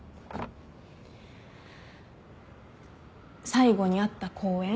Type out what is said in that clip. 最後に会った公園